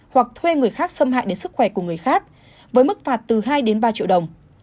hoặc thuê người khác xâm hại đến sức khỏe của người khác với mức phạt từ hai đến ba triệu đồng